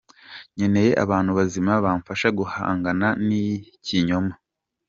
Nkeneye abantu bazima bamfasha guhangana nikinyoma